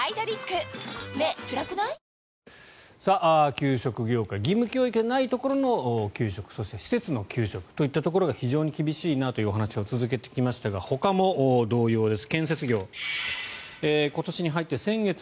給食業界義務教育でないところの給食、そして施設の給食というところが非常に厳しいなという話を続けてきましたがほかも同様です。